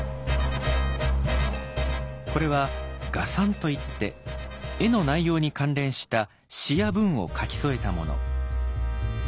これは「画賛」といって絵の内容に関連した詩や文を書き添えたもの。